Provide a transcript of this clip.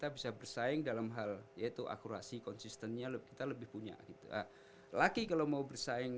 bisa bersaing dalam hal yaitu akurasi konsistennya kita lebih punya gitu lagi kalau mau bersaing